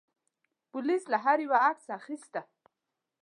پولیس له هر یوه عکس اخیسته.